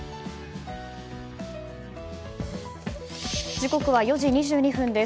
時刻は４時２２分です。